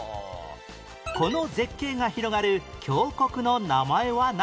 この絶景が広がる峡谷の名前は何？